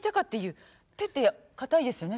手って固いですよね